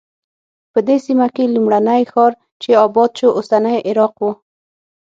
په دې سیمه کې لومړنی ښار چې اباد شو اوسنی عراق و.